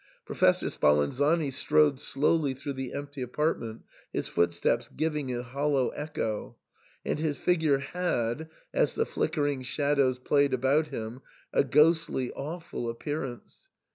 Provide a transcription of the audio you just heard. Professor Spalanzani strode slowly through the empty apartment, his footsteps giving a hollow echo ; and his figure had, as the flickering shadows played about him, a ghostly, awful appearance.